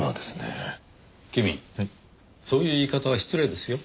君そういう言い方は失礼ですよ。